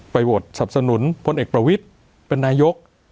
โหวตสับสนุนพลเอกประวิทย์เป็นนายก